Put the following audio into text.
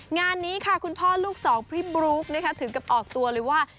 งานนี้ค่ะคุณพ่อลูกสองพี่บลุ๊กถึงกับออกตัวเลยว่า